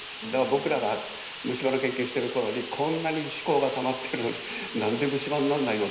僕らが虫歯の研究をしている頃にこんなに歯垢がたまっているのになんで虫歯になんないの？